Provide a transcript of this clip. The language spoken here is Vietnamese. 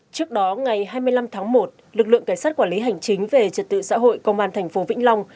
trước đó ngày hai mươi năm tháng một lực lượng cảnh sát quản lý hành chính về trật tự xã hội công an thành phố vĩnh long